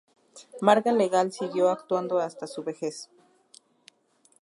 Marga Legal siguió actuando hasta su vejez.